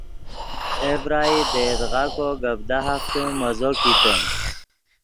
اے ڤرائی دے یدغا کو گپ دہافتے مزو کیتے